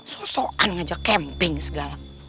sosoan ngajak camping segala